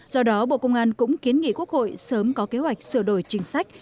do đó bộ công an cũng kiến nghị quốc hội sớm có kế hoạch sửa đổi chính sách